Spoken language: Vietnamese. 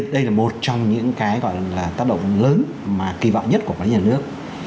đây là một trong những tác động lớn kỳ vọng nhất của các nhà nước